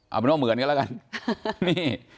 เอาเป็นว่าเหมือนกันแล้วกันนี่